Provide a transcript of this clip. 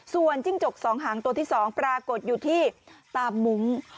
ส่วนจิ้งจกสองหางตัวที่๒ปรากฏอยู่ที่ตามมุ้ง